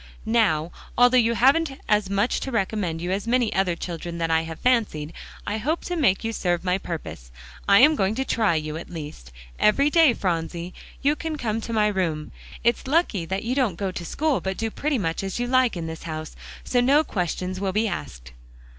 "Now, although you haven't as much to recommend you as many other children that I have fancied, I hope to make you serve my purpose. I am going to try you, at least. Every day, Phronsie, you can come to my room. It's lucky that you don't go to school, but do pretty much as you like in this house, so no questions will be asked."